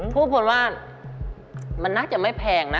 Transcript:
ถูบเพราะว่ามันนักจะไม่แพงนะ